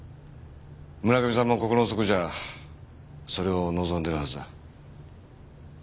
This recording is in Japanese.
村上さんも心の底じゃあそれを望んでるはずだ。